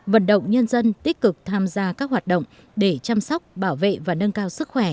vận động nhân dân tích cực tham gia các hoạt động để chăm sóc bảo vệ và nâng cao sức khỏe